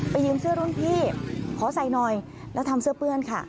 ยืมเสื้อรุ่นพี่ขอใส่หน่อยแล้วทำเสื้อเปื้อนค่ะ